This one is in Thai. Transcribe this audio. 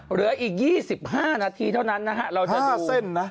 เหลืออีก๒๕นาทีเท่านั้นนะฮะเราจะดูเส้นนะ